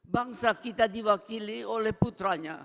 bangsa kita diwakili oleh putranya